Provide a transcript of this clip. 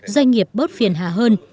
doanh nghiệp bớt phiền hạ hơn